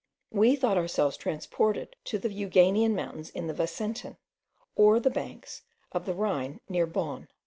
We thought ourselves transported to the Euganean mountains in the Vicentin, or the banks of the Rhine near Bonn.